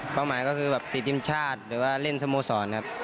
หมายก็คือแบบติดทีมชาติหรือว่าเล่นสโมสรครับ